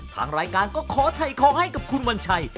ทางรายการก็ขอถ่ายของให้กับคุณวัญชัย